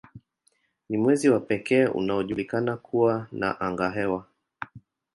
Ni mwezi wa pekee unaojulikana kuwa na angahewa.